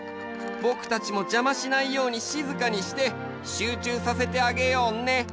ぼくたちもじゃましないようにしずかにして集中させてあげようね。